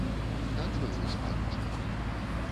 Так было і з панічам.